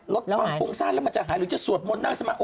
รถปล่อยฟุ้งซ่านแล้วมันจะหายหรือจะสวดมนต์น่าสมัคร